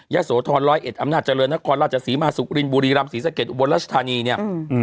ย่าโสธร๑๐๑อำนาจเจริญนครราชศรีมหาศุกรินบุรีรัมศ์ศรีสะเก็ดอุบลรัชธานีเนี่ย